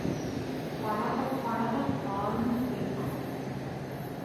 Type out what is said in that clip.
பழகப் பழகப் பாலும் புளிக்கும்.